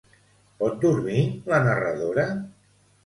Pot dormir la narradora?